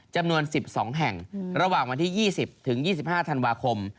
จำนวน๑๒แห่งระหว่างวันที่๒๐ถึง๒๕ธันวาคม